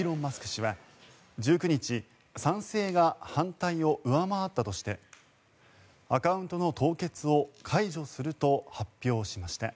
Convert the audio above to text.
氏は１９日賛成が反対を上回ったとしてアカウントの凍結を解除すると発表しました。